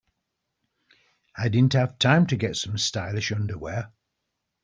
I didn't have time to get some stylish underwear.